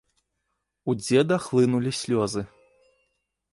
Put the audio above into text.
У дзеда хлынулі слёзы.